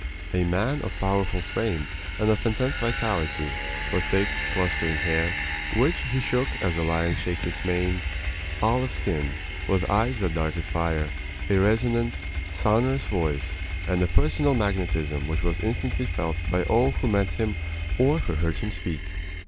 A man of powerful frame and of intense vitality, with thick, clustering hair, which he shook as a lion shakes its mane; olive skinned, with eyes that darted fire, a resonant, sonorous voice, and a personal magnetism which was instantly felt by all who met him or who heard him speak.